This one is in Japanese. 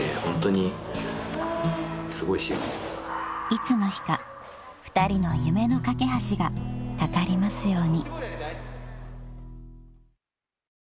［いつの日か２人の夢の懸け橋がかかりますように］